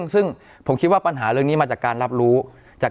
ซึ่งผมคิดว่าปัญหาเรื่องนี้มาจาก